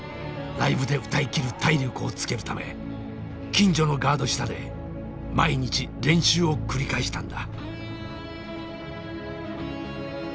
ライブで歌いきる体力をつけるため近所のガード下で毎日練習を繰り返したんだ。